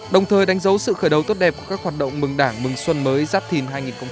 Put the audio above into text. đồng thời đánh dấu sự khởi đầu tốt đẹp của các hoạt động mừng đảng mừng xuân mới giáp thìn hai nghìn hai mươi bốn